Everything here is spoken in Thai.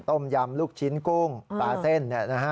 ต้มยำลูกชิ้นกุ้งปลาเส้น